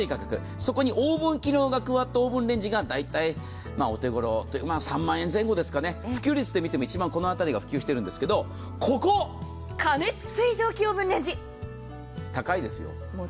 そこにオーブン機能が加わったオーブンレンジが３万円前後ですかね、普及率で見ても一番この辺りが普及しているんですけど、ここ過熱水蒸気オーブンレンジ、高いですよ。